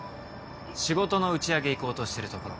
仕事の打ち上げ行こうとしてるところ。